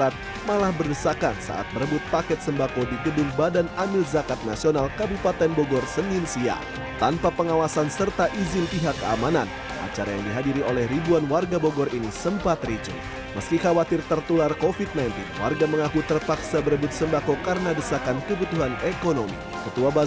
tidak katanya hanya orang yang tidak mampu